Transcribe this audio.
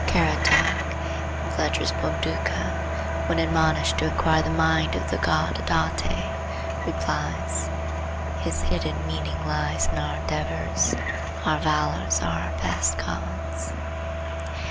Caratach, in Fletcher's Bonduca, when admonished to inquire the mind of the god Audate, replies,— "His hidden meaning lies in our endeavors; Our valors are our best gods."